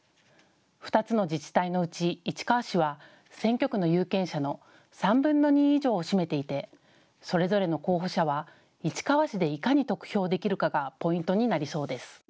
２つの自治体のうち、市川市は選挙区の有権者の３分の２以上を占めていて、それぞれの候補者は市川市でいかに得票できるかがポイントになりそうです。